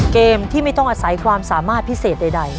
เกมที่ไม่ต้องอาศัยความสามารถพิเศษใด